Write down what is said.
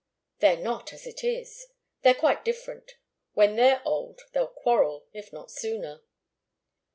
"They're not, as it is. They're quite different. When they're old, they'll quarrel if not sooner."